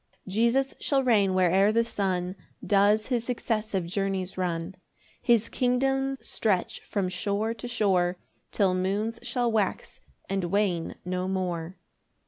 1 Jesus shall reign where'er the sun Does his successive journies run; His kingdom stretch from shore to shore, Till moons shall wax and wane no more.